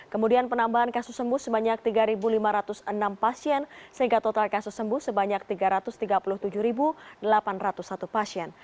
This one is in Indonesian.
kemudian penambahan kasus sembuh sebanyak tiga lima ratus enam pasien sehingga total kasus sembuh sebanyak tiga ratus tiga puluh tujuh delapan ratus satu pasien